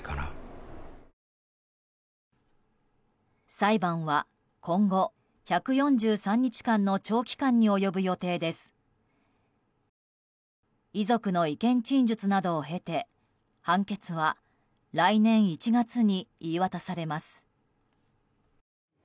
裁判は今後、１４３日間の長期間に及ぶ予定で遺族の意見陳述などを経て判決は来年１月に言い渡されます。